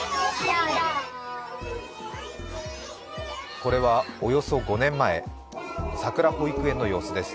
これはおよそ５年前さくら保育園の様子です。